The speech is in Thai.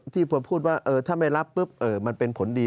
ถ้าไม่ลับบิปมันเป็นผลดี